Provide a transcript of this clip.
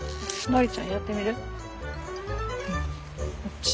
典ちゃんやってみる？